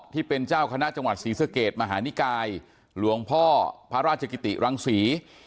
ที่เป็นเจ้าคณะจังหวัดศรีสะเกดมหานิกายหลวงพ่อพระราชกิติรังศรี